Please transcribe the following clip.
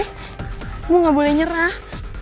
kamu gak boleh nyerah